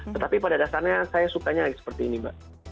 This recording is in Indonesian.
tetapi pada dasarnya saya sukanya seperti ini mbak